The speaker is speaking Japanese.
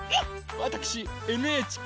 わたくしＮＨＫ